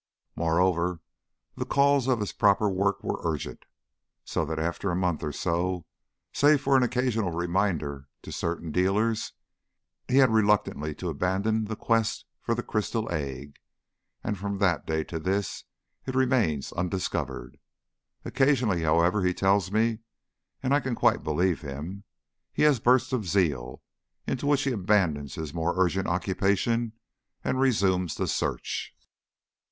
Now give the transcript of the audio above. Moreover, the calls of his proper work were urgent. So that after a month or so, save for an occasional reminder to certain dealers, he had reluctantly to abandon the quest for the crystal egg, and from that day to this it remains undiscovered. Occasionally, however, he tells me, and I can quite believe him, he has bursts of zeal, in which he abandons his more urgent occupation and resumes the search.